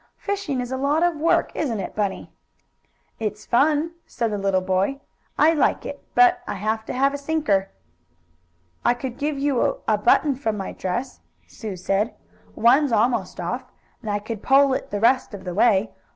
"Fishing is a lot of work; isn't it, Bunny?" "It's fun," said the little boy. "I like it, but I have to have a sinker." "I could give you a button from my dress," Sue said. "One's almost off, and I could pull it the rest of the way.